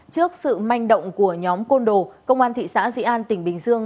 trước sự manh động của nhóm côn đồ công an thị xã di an tỉnh bình dương